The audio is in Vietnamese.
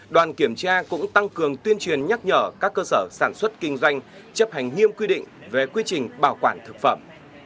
đoàn kiểm tra cũng tăng cường tuyên truyền nhắc nhở các cơ sở sản xuất kinh doanh chấp hành nghiêm quy định về quy trình bảo quản thực phẩm